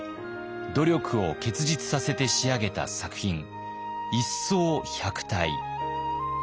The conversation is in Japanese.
努力を結実させて仕上げた作品「一掃百態」。